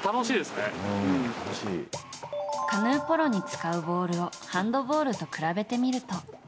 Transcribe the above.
カヌーポロに使うボールをハンドボールと比べてみると。